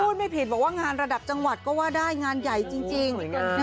ไม่ผิดบอกว่างานระดับจังหวัดก็ว่าได้งานใหญ่จริง